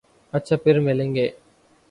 اچھا پھر ملیں گے۔